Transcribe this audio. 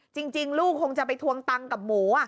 จริงลูกคงจะไปทวงตังค์กับหมู